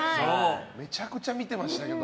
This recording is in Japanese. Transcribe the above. めちゃくちゃ見てました。